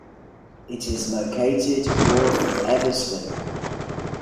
It is located north of Eversley.